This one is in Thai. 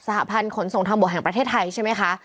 หพันธ์ขนส่งทางบกแห่งประเทศไทยใช่ไหมคะ